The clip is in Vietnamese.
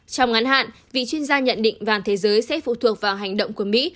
trong ngắn hạn vị chuyên gia nhận định vàng thế giới sẽ phụ thuộc vào hành động của mỹ